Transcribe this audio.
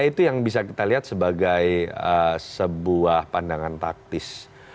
itu yang bisa kita lihat sebagai sebuah pandangan taktis